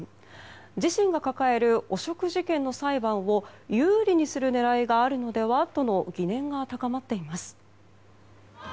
自身が抱える汚職事件の裁判を有利にする狙いがあるのではとの疑念が高まっています。